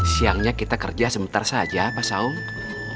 siangnya kita kerja sebentar saja pak saung